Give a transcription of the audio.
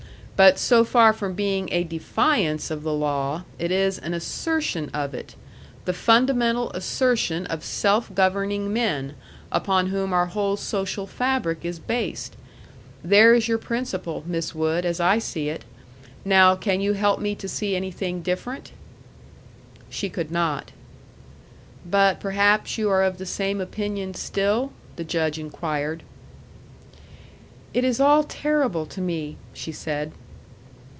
But so far from being a DEFIANCE of the law, it is an ASSERTION of it the fundamental assertion of self governing men, upon whom our whole social fabric is based. There is your principle, Miss Wood, as I see it. Now can you help me to see anything different?" She could not. "But perhaps you are of the same opinion still?" the Judge inquired. "It is all terrible to me," she said.